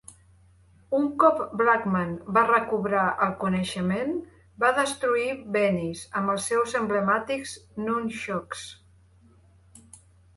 Un cop Blackman va recobrar el coneixement, va destruir Venis amb els seus emblemàtics Nunchucks.